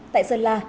tại sơn la